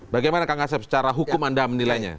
bagaimana kak ngasep secara hukum anda menilainya